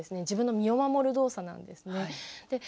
自分の身を守る動作なんですね。